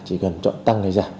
chỉ cần chọn tăng hay giả